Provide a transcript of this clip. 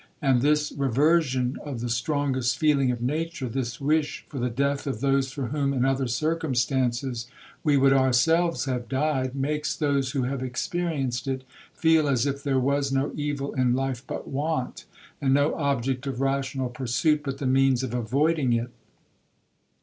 —And this reversion of the strongest feeling of nature,—this wish for the death of those for whom, in other circumstances, we would ourselves have died, makes those who have experienced it feel as if there was no evil in life but want, and no object of rational pursuit but the means of avoiding it.